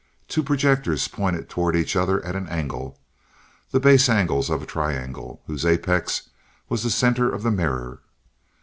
Two projectors pointed toward each other at an angle, the base angles of a triangle, whose apex was the center of the mirror.